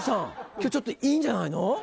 今日ちょっといいんじゃないの？